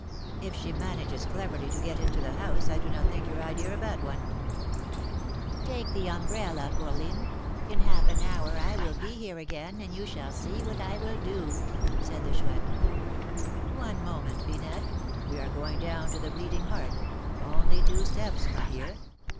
"If she manages cleverly to get into the house, I do not think your idea a bad one." "Take the umbrella, fourline; in half an hour I will be here again, and you shall see what I will do," said the Chouette. "One moment, Finette; we are going down to the Bleeding Heart, only two steps from here.